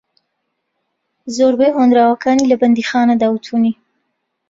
زۆربەی ھۆنراوەکانی لە بەندیخانەدا وتونی